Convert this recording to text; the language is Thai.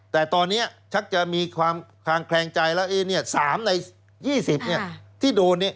แต่ตอนนี้ชักจะมีความแข็งใจแล้วสามใน๒๐ที่โดน